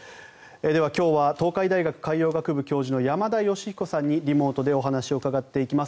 では、今日は東海大学海洋学部教授の山田吉彦さんにリモートでお話を伺っていきます。